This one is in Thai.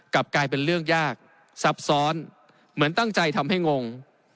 กลับกลายเป็นเรื่องยากซับซ้อนเหมือนตั้งใจทำให้งง